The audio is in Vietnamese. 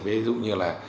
với dụ như là